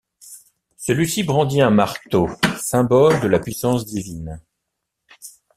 Celui-ci brandit un marteau, symbole de la puissance divine.